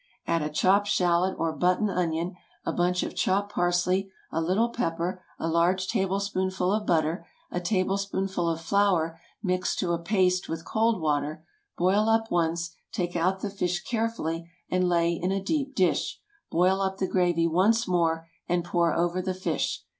Add a chopped shallot or button onion, a bunch of chopped parsley, a little pepper, a large tablespoonful of butter, a tablespoonful of flour mixed to a paste with cold water; boil up once, take out the fish carefully, and lay in a deep dish. Boil up the gravy once more, and pour over the fish.